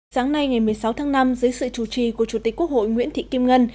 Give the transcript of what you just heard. sáng nay ngày một mươi sáu tháng năm dưới sự chủ trì của chủ tịch quốc hội nguyễn thị kim ngân